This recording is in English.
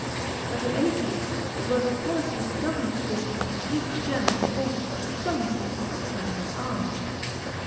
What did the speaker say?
But in any case it was the policy of the government at this time to keep the Germans in order by diplomacy rather than by arms.